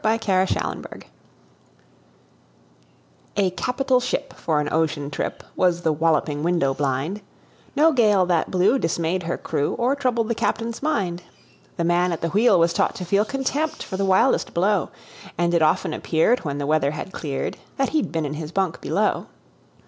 Y Z A Nautical Ballad A CAPITAL ship for an ocean trip Was The Walloping Window blind No gale that blew dismayed her crew Or troubled the captain's mind. The man at the wheel was taught to feel Contempt for the wildest blow, And it often appeared, when the weather had cleared, That he'd been in his bunk below.